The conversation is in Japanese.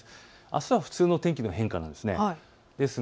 あすは普通の天気の変化です。